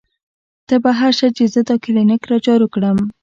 تۀ بهر شه چې زۀ دا کلینک را جارو کړم " ـ